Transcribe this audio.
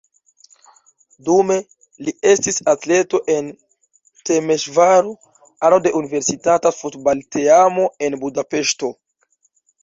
Dume li estis atleto en Temeŝvaro, ano de universitata futbalteamo en Budapeŝto.